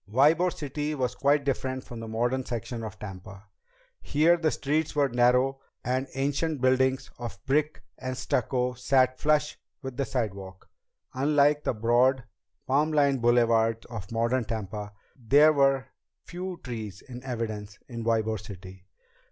Ybor City was quite different from the modern section of Tampa. Here the streets were narrow and ancient buildings of brick and stucco sat flush with the sidewalk. Unlike the broad, palm lined boulevards of modern Tampa, there were few trees in evidence in Ybor City.